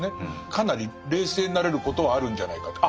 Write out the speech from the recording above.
かなり冷静になれることはあるんじゃないかって。